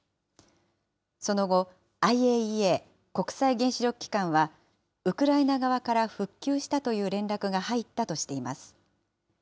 その後、ＩＡＥＡ・国際原子力機関は、ウクライナ側から復旧したという連絡が入ったとしています。